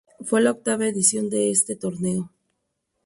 Fue la octava edición de este torneo.